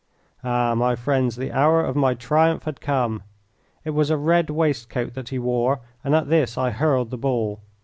Ah, my friends, the hour of my triumph had come! It was a red waistcoat that he wore, and at this I hurled the ball.